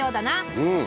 うん。